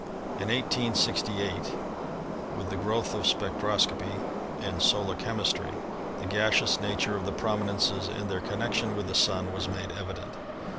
In 1868, no ASTRONOMY with the growth of spectroscopy and solar chemistry, the gaseous nature of the prominences and their connectioa with the Sun was made evident.